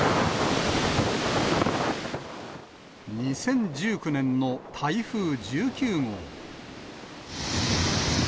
２０１９年の台風１９号。